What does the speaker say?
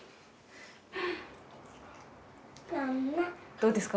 どうですか？